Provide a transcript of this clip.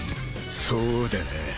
そうだな。